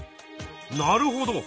なるほど。